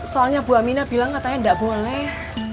soalnya bu amina bilang katanya nggak boleh